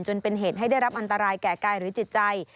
จนเป็นเหตุให้ได้รับอันตรายแก่กายหรือจิตใจ